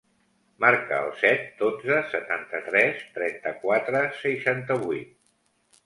Marca el set, dotze, setanta-tres, trenta-quatre, seixanta-vuit.